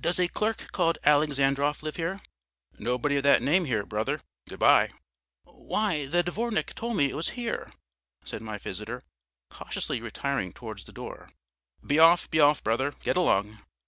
"Does a clerk called Alexandrov live here?" "Nobody of that name here, brother. Good bye." "Why, the dvornik told me it was here," said my visitor, cautiously retiring towards the door. "Be off, be off, brother, get along."